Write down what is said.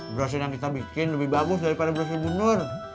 brosin yang kita bikin lebih bagus daripada brosin bunur